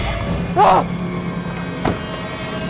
saya sudah tanya sama bapak